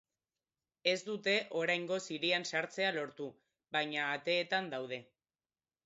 Ez dute oraingoz hirian sartzea lortu, baina ateetan daude.